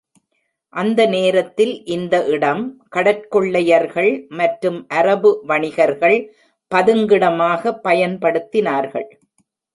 அந்த நேரத்தில் இந்த இடம் கடற்கொள்ளையர்கள் மற்றும் அரபு வணிகர்கள் பதுங்கிடமாக பயன்படுத்தினார்கள்.